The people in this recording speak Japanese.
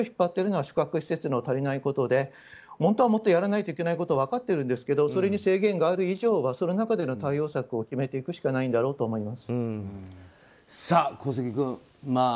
ただやっぱり足を引っ張っているのは宿泊施設が足りないということでやらなきゃいけないのは分かっているんですがそれに制限がある以上はその中での対応策を決めていくしかないんだと思います。